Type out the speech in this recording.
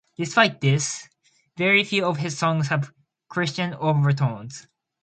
Despite this, very few of his songs have Christian overtones.